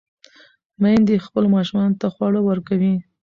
میندې خپلو ماشومانو ته خواړه ورکوي.